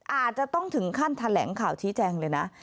อาจจะต้องถึงขั้นแถลงข่าวชี้แจงเลยนะ